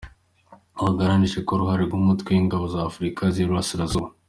Aho haganiriwe ku ruhare rw’Umutwe w’Ingabo z’Afurika y’Iburasirazuba.